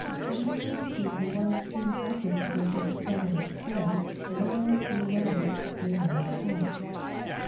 In gratitude the wise King offered to give his feathered friends whatever reward they might ask.